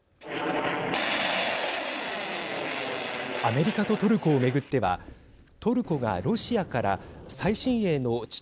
アメリカとトルコを巡ってはトルコがロシアから最新鋭の地